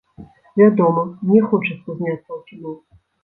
Вядома, мне хочацца зняцца ў кіно.